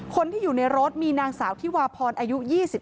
คนที่อยู่ในรถมีนางสาวที่วาพรอายุ๒๓